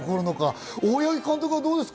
大八木監督はどうですか？